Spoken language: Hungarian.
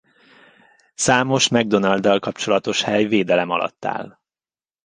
Számos Macdonalddal kapcsolatos hely védelem alatt áll.